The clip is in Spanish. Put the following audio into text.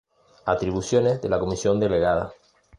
Atribuciones de la Comisión Delegada.